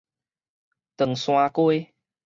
長沙街